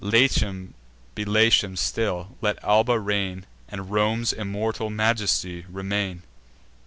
Latium be Latium still; let Alba reign And Rome's immortal majesty remain."